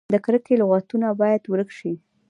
د کرکې لغتونه باید ورک شي.